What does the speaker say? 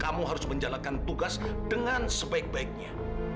kamu harus menjalankan tugas dengan sebaik baiknya